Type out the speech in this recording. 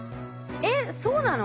えっそうなの？